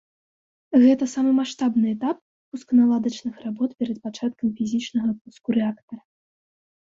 Гэта самы маштабны этап пусканаладачных работ перад пачаткам фізічнага пуску рэактара.